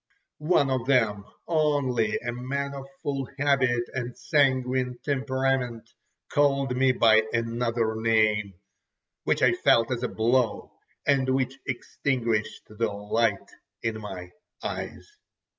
One of them only, a man of full habit and sanguine temperament, called me by another name, which I felt as a blow, and which extinguished the light in my eyes.